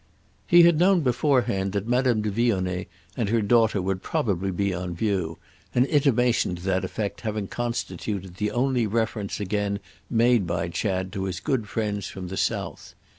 He had known beforehand that Madame de Vionnet and her daughter would probably be on view, an intimation to that effect having constituted the only reference again made by Chad to his good friends from the south.